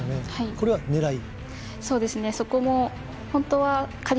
これは狙い？